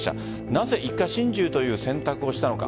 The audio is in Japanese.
なぜ一家心中という選択をしたのか。